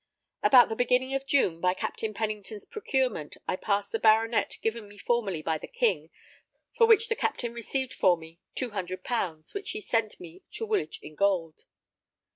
About the beginning of June, by Captain Pennington's procurement I passed the baronet given me formerly by the King, for which the Captain received for me 200 pounds, which he sent me to Woolwich in gold.